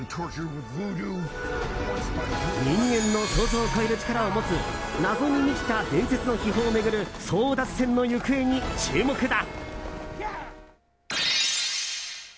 人間の想像を超える力を持つ謎に満ちた伝説の秘法を巡る争奪戦の行方に注目だ。